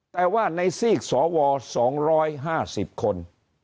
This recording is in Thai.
แต่ว่าในซีกสว๒๕๐คน